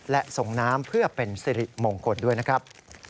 และส่งน้ำเพื่อเป็นสิริมงคลด้วยนะครับ